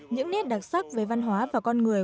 những nét đặc sắc về văn hóa và con người